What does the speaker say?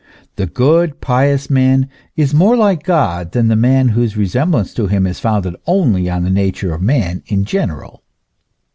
The good, pious man is more like God than the man whose resemblance to Him is founded only on the nature of man in general.